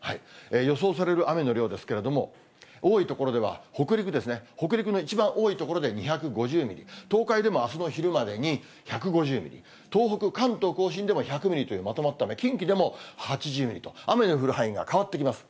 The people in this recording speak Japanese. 予想される雨の量ですけれども、多い所では、北陸ですね、北陸の一番多い所で２５０ミリ、東海でもあすの昼までに１５０ミリ、東北、関東甲信でも１００ミリというまとまった雨、近畿でも８０ミリと、雨の降る範囲が変わってきます。